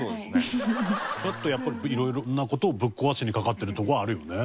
ちょっとやっぱりいろんな事をぶっ壊しにかかってるとこはあるよね。